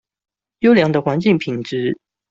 優良的環境品質